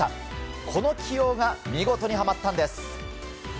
この起用が見事にはまったんです。